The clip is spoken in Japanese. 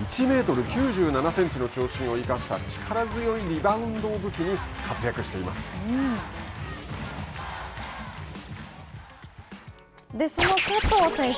１メートル９７センチの長身を生かした力強いリバウンドを武器にその佐藤選手